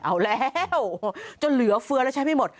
เอาแล้วจนเหลือเฟื้อแล้วใช้ไม่หมด